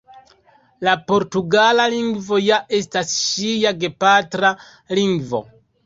La portugala lingvo ja estas ŝia gepatra lingvo.